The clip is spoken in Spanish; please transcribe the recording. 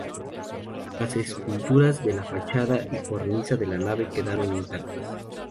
Las esculturas de la fachada y la cornisa de la nave quedaron intactas.